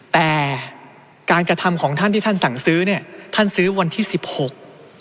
แต่การกระทำของท่านที่ท่านสั่งซื้อเนี่ยท่านซื้อวันที่สิบหก